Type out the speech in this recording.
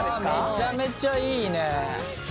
めちゃめちゃいいね。